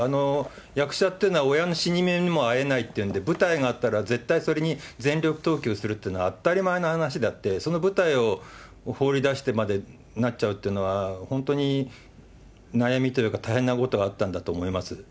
役者っていうのは、親の死に目にも会えないっていうんで、舞台があったら、絶対それに全力投球するっていうのは、当たり前の話であって、その舞台を放り出してまでなっちゃうっていうのは、本当に悩みというか、大変なことがあったんだと思います。